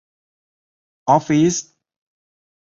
ออฟฟิศ